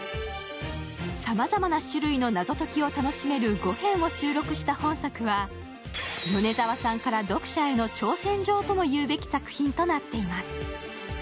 さまざまな種類の謎解きを楽しめる５篇を収録した本作は、米澤さんから読者への挑戦状ともいうべき作品となっています。